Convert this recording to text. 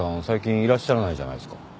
最近いらっしゃらないじゃないすか。